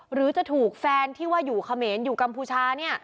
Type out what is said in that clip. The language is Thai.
หรือจะถูกแฟนที่ว่าอยู่เขมรอยู่กัมพูชา